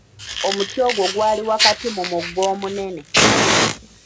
Omuti ogwo gwali wakati mu mugga omunene.